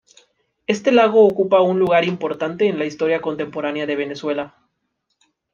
Este lago ocupa un lugar importante en la historia contemporánea de Venezuela.